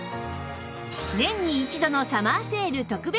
年に一度のサマーセール特別企画！